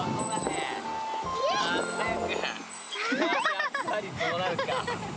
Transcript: やっぱりそうなるか。